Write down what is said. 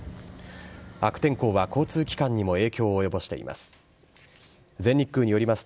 悪天候は交通機関にも影響を及ぼしています。